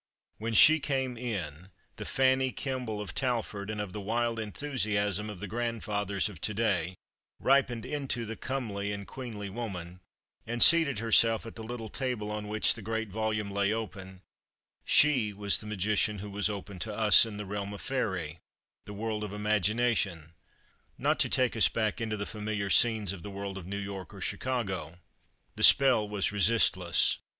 When she came in the Fanny Kemble of Talfourd and of the wild enthusiasm of the grandfathers of to day, ripened into the comely and queenly woman and seated herself at the little table on which the great volume lay open, she was the magician who was to open to us the realm of faery, the world of imagination, not to take us back into the familiar scenes of the world of New York or Chicago. The spell was resistless.